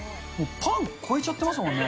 パン超えちゃってますもんね。